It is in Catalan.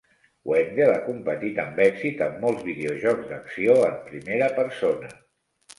Wendel ha competit amb èxit en molts videojocs d'acció en primera persona.